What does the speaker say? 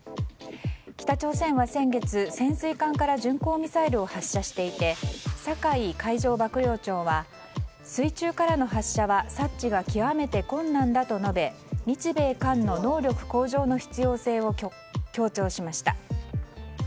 北朝鮮は先月、潜水艦から巡航ミサイルを発射していて酒井海上幕僚長は水中からの発射は察知が極めて困難だと述べ日米韓の能力向上の必要性を強調しました。